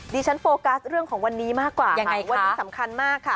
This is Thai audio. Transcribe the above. โฟกัสเรื่องของวันนี้มากกว่ายังไงวันนี้สำคัญมากค่ะ